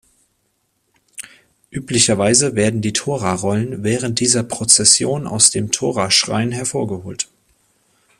Üblicherweise werden die Torarollen während dieser Prozession aus dem Toraschrein hervorgeholt.